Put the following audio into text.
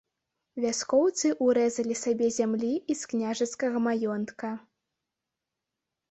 Вяскоўцы ўрэзалі сабе зямлі і з княжацкага маёнтка.